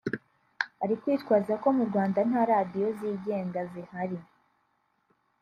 ari kwitwaza ko mu Rwanda nta radiyo zigenga zihari